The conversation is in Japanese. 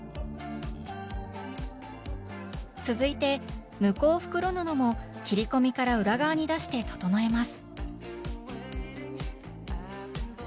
続いて向こう袋布も切り込みから裏側に出して整えます